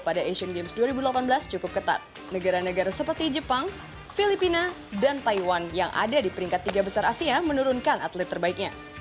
pada negara negara seperti jepang filipina dan taiwan yang ada di peringkat tiga besar asia menurunkan atlet terbaiknya